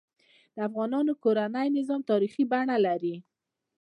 د افغانانو کورنۍ نظام تاریخي بڼه لري.